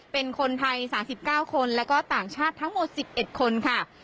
เป็นคนไทยสามสิบเก้าคนแล้วก็ต่างชาติทั้งหมดสิบเอ็ดคนค่ะ